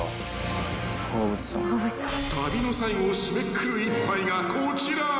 ［旅の最後を締めくくる一杯がこちら］